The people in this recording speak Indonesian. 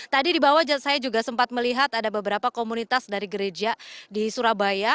tadi di bawah saya juga sempat melihat ada beberapa komunitas dari gereja di surabaya